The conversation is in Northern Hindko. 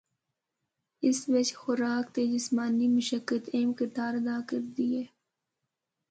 اس بچ خوراک تے جسمانی مشقت اہم کردار ادا کردی ہے۔